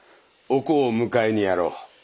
おこうを迎えにやろう。